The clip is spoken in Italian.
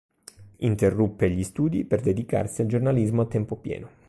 Interruppe gli studi per dedicarsi al giornalismo a tempo pieno.